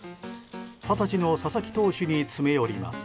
二十歳の佐々木投手に詰め寄ります。